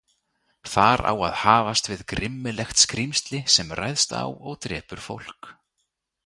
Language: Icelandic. Þar á að hafast við grimmilegt skrímsli sem ræðst á og drepur fólk.